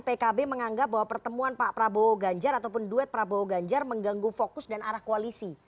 pkb menganggap bahwa pertemuan pak prabowo ganjar ataupun duet prabowo ganjar mengganggu fokus dan arah koalisi